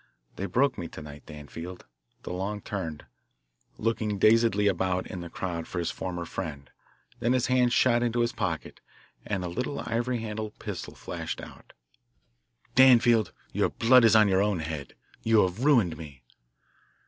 "They broke me to night. Danfield" DeLong turned, looking dazedly about in the crowd for his former friend, then his hand shot into his pocket, and a little ivory handled pistol flashed out "Danfield, your blood is on your own head. You have ruined me."